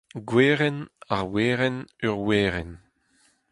gwerenn, ar werenn, ur werenn